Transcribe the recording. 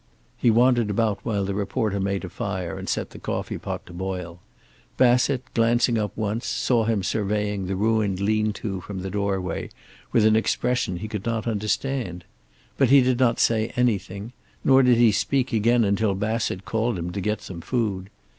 He wandered about while the reporter made a fire and set the coffee pot to boil. Bassett, glancing up once, saw him surveying the ruined lean to from the doorway, with an expression he could not understand. But he did not say anything, nor did he speak again until Bassett called him to get some food.